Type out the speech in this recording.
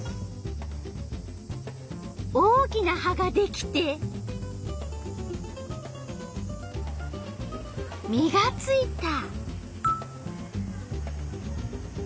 大きな葉ができて実がついた。